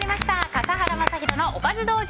笠原将弘のおかず道場。